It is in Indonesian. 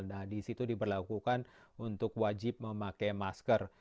nah di situ diberlakukan untuk wajib memakai masker